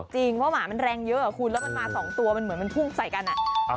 จริงเพราะหมามันแรงเยอะคุณแล้วมันมา๒ตัวมันเหมือนมันพุ่งใส่กันอ่ะ